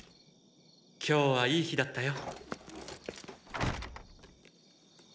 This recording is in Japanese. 今日はいい日だったよ。